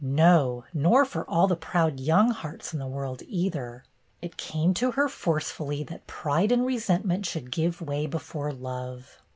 No, nor for all the proud young hearts in the world, either! It came to her forcefully that pride and resentment should give way before love.